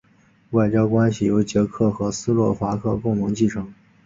外交关系由捷克和斯洛伐克共同继承。